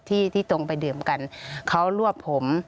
ที่ที่ตรงไปดื่มกันเขารวบผม